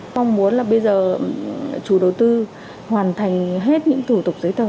mong muốn là bây giờ chủ đầu tư hoàn thành hết những thủ tục giấy tờ